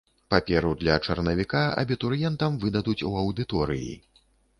Паперу для чарнавіка абітурыентам выдадуць у аўдыторыі.